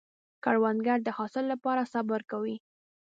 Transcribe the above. کروندګر د حاصل له پاره صبر کوي